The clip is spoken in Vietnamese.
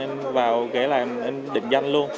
em vào ghé là em định danh luôn